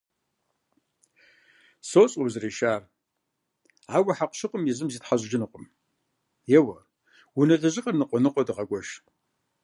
Сощӏэ узэрешар, ауэ хьэкъущыкъум езым зитхьэщӏыжынукъым. Еуэ, унэ лэжьыгъэр ныкъуэ ныкъуэу дыгъэгуэш.